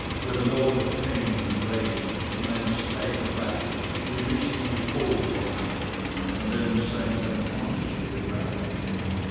With an oath of pain and rage the man staggered backward, releasing his hold upon her and then sank unconscious to the ground.